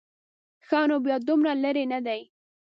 ښه نو بیا دومره لرې نه دی.